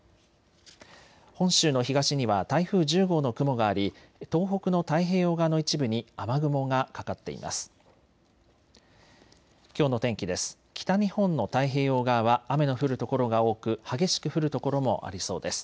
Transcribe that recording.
本州の東には台風１０号の雲があり東北の太平洋側の一部に雨雲がかかっています。